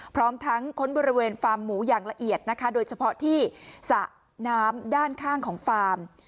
พร้อมทั้งค้นบริเวณฟาร์มหมูอย่างละเอียดนะคะโดยเฉพาะที่สระน้ำด้านข้างของฟาร์ม